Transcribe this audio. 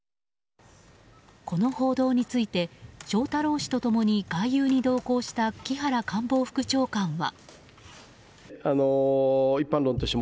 この報道について翔太郎氏と共に外遊に同行した木原官房副長官は。